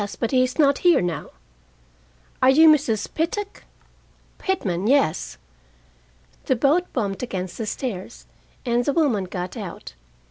But he is not here now." "Are you Mrs. Pittock?" "Pitman, yes." The boat bumped against the stairs, and the woman got out.